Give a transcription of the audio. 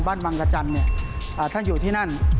บ้านบางระจันทร์ถ้าอยู่ที่นั่น